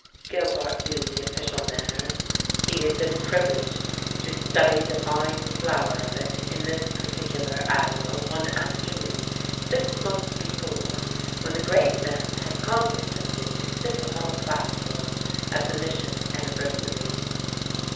Gilbart knew the official manner; he had been privileged to study the fine flower of it in this particular Admiral one afternoon six months before, when the great man had condescended to sit on the platform at the Mission anniversary.